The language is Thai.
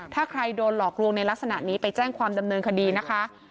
ถ้าใครโดนหลอกลวงในลักษณะนี้ไปแจ้งความดำเนินคดีนะคะ